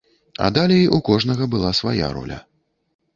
А далей у кожнага была свая роля.